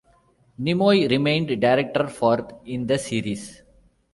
Nimoy remained director for in the series.